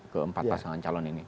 keempat pasangan calon ini